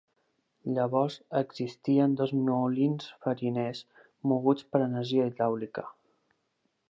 Llavors, existien dos molins fariners moguts per energia hidràulica.